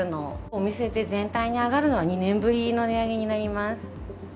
お店全体で上がるのは、２年ぶりの値上げになります。